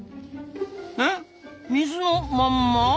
えっ水のまんま！？